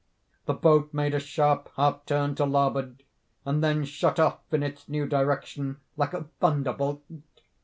The boat made a sharp half turn to larboard, and then shot off in its new direction like a thunderbolt.